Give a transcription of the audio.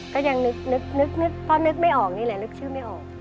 ก็ยังนึกเพราะนึกไม่ออกนี่แหละนึกชื่อไม่ออก